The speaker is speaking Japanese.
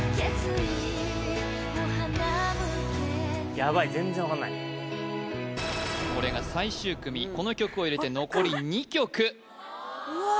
やばい全然分かんないこれが最終組この曲を入れて残り２曲うわっ